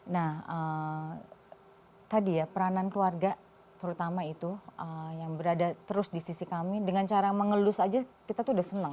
nah tadi ya peranan keluarga terutama itu yang berada terus di sisi kami dengan cara mengelus aja kita tuh udah senang